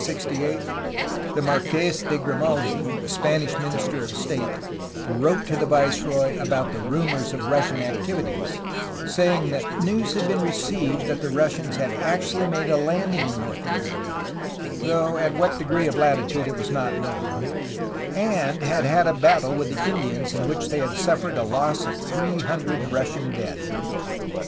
218 A HISTORY OF CALIFORNIA de Grimaldi, the Spanish Minister of State, wrote to the viceroy about the rumors of Russian activities, saying that news' had been received that the Russians had actually made a landing in North America, though at what degree of latitude it was not known, and had had a battle with the Indians in which they had suffered a loss of three hundred Russian dead.